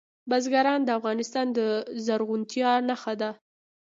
بزګان د افغانستان د زرغونتیا نښه ده.